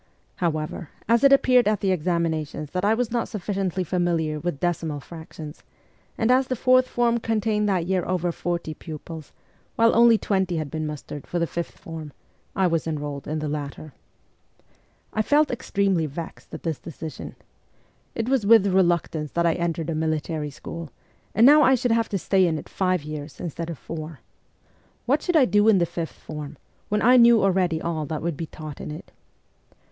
However, as it appeared at the examinations that I was not sufficiently familiar with decimal fractions, and as the fourth form contained that year over forty pupils, while only twenty had been mustered for the fifth form, I was enrolled in the latter. I felt extremely vexed at this decision. It was with reluctance that I entered a military school, and now I should have to stay in it five years instead of four. What should I do in the fifth form, when I knew already all that would be taught in it ?